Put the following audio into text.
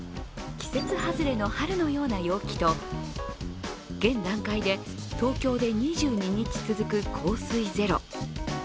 季節外れの春のような陽気と現段階で東京で２２日続く降水ゼロ。